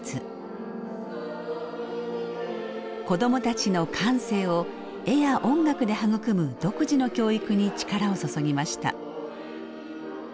子どもたちの感性を絵や音楽で育む独自の教育に力を注ぎました。